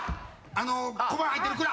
あの小判入ってる蔵！